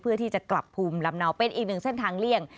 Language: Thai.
เพื่อที่จะกลับภูมิลำเนาเป็นอีกหนึ่งเส้นทางเลี่ยง